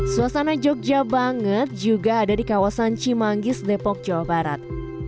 suasana jogja banget juga ada di kawasan cimanggis depok jawa barat